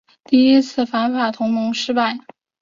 第一次反法同盟失败。